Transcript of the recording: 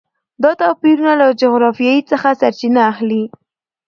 دا توپیرونه له جغرافیې څخه سرچینه اخلي.